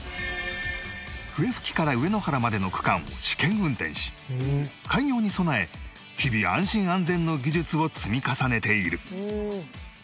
笛吹から上野原までの区間を試験運転し開業に備え日々安心安全の技術を積み重ねている